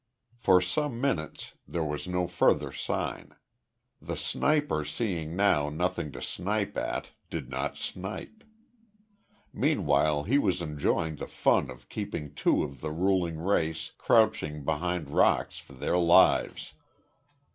For some minutes there was no further sign. The sniper seeing now nothing to snipe at, did not snipe. Meanwhile he was enjoying the fun of keeping two of the ruling race crouching behind rocks for their lives.